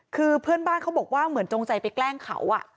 คือเพื่อนบ้านเขาบอกว่าเหมือนจงใจไปแกล้งเขา